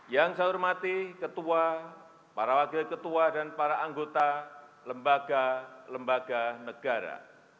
yang saya hormati ketua para wakil ketua dan para anggota lembaga lembaga negara